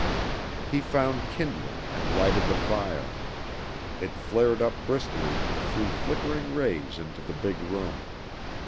He found kindling and lighted the fire. It flared up briskly and threw flickering rays into the big room.